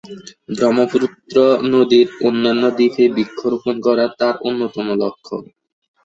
ব্রহ্মপুত্র নদীর অন্যান্য দ্বীপে বৃক্ষ রোপণ করা তার অন্যতম লক্ষ্য।